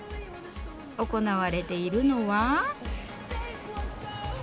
行われているのは。